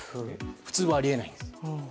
普通はあり得ないんです。